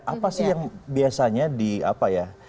apa sih yang biasanya di apa ya